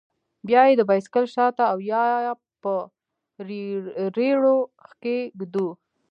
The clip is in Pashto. بيا يې د بايسېکل شاته او يا په رېړيو کښې ږدو.